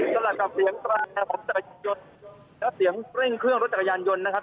อย่างเกี่ยวกับเสียงตรายของจักรยนทร์และเสียงเครื่องรถจักรยานยนต์นะครับ